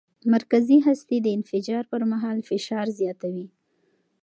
مرکزي هستي د انفجار پر مهال فشار زیاتوي.